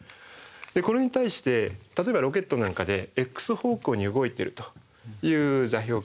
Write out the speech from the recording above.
これに対して例えばロケットなんかでｘ方向に動いてるという座標系を考えます。